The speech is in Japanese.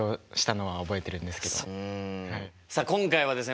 さっ今回はですね